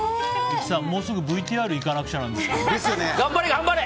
もうすぐＶＴＲいかなくちゃなんですけど。